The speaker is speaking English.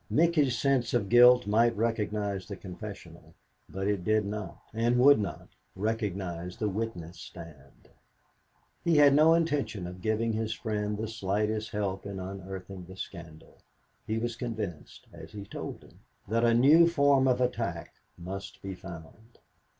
Micky's sense of guilt might recognize the confessional, but it did not, and would not, recognize the witness stand. He had no intention of giving his friend the slightest help in unearthing the scandal. He was convinced, as he told him, that a new form of attack must be found.